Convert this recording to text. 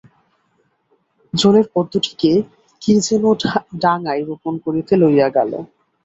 জলের পদ্মটিকে কে যেন ডাঙায় রোপণ করিতে লইয়া গেল।